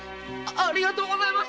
ありがとうございます。